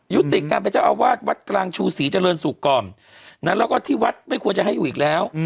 ยุติการเป็นเจ้าอาวาสวัดกลางชูศรีเจริญศุกร์ก่อนแล้วก็ที่วัดไม่ควรจะให้อยู่อีกแล้ว